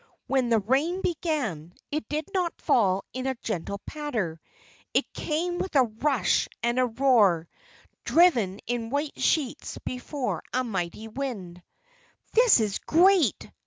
When the rain began, it did not fall in a gentle patter. It came with a rush and a roar, driven in white sheets before a mighty wind. "This is great!"